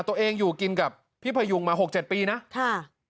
ตัวเองอยู่กินกับพี่พายุงมา๖๗ปีนะ